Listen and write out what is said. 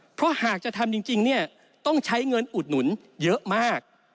เพราะหากจะทำจริงเนี่ยต้องใช้เงินอุดหนุนเยอะมาก